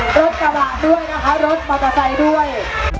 รถกระบาดด้วยนะคะรถปราตราไซด์ด้วย